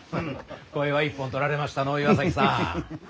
これは一本取られましたのう岩崎さん。